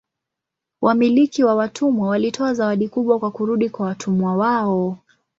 Wamiliki wa watumwa walitoa zawadi kubwa kwa kurudi kwa watumwa wao.